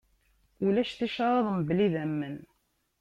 Ulac ticraḍ mebla idammen.